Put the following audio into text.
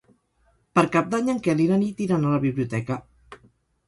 Per Cap d'Any en Quel i na Nit iran a la biblioteca.